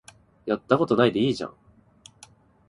やったことないでいいじゃん